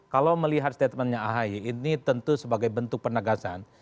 kalau melihat statementnya ahi ini tentu sebagai bentuk penegasan